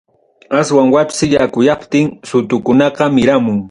Aswan wapsi yakuyaptin, sutukunaqa miramun.